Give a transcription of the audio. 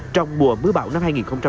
trong mùa mưa bão năm hai nghìn hai mươi